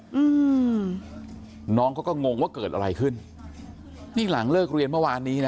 อืมน้องเขาก็งงว่าเกิดอะไรขึ้นนี่หลังเลิกเรียนเมื่อวานนี้นะ